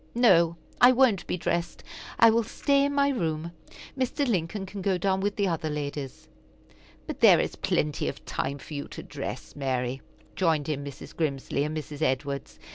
"No, I won't be dressed. I will stay in my room. Mr. Lincoln can go down with the other ladies." "But there is plenty of time for you to dress, Mary," joined in Mrs. Grimsly and Mrs. Edwards.